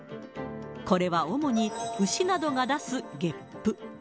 これは主に牛などが出すゲップ。